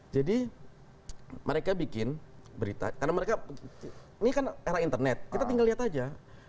jadi mereka bikin berita karena mereka ini kan era internet kita tinggal lihat aja